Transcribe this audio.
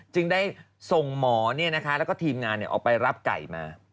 จึงได้ทรงหมอเนี่ยนะคะแล้วก็ทีมงานออกไปรับไก่มา